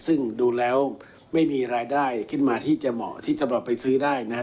ซึ่งดูแล้วไม่มีรายได้ขึ้นมาที่จะเหมาะที่สำหรับไปซื้อได้นะครับ